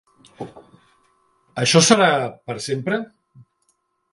Això serà... per sempre?